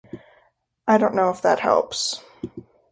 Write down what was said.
I don't know if that helps.